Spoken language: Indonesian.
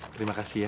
terima kasih ya